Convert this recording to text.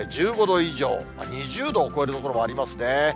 １５度以上、２０度を超える所もありますね。